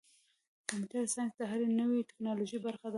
کمپیوټر ساینس د هرې نوې ټکنالوژۍ برخه ده.